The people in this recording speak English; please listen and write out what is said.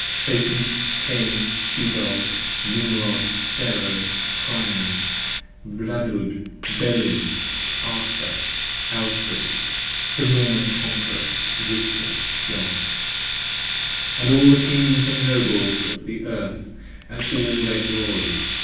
35 Satan, Cain, Tuba], Nimrod, Pharoh, Priam, Bladud, Belin, Arthur, Alfred, the Norman Conqueror, Richard, John, And all the Kings & Nobles of the Earth & all their Glories.